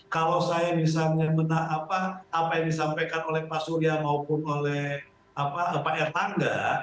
kalau saya misalnya benak apa yang disampaikan oleh pak surya maupun oleh pak erlangga